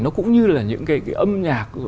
nó cũng như là những cái âm nhạc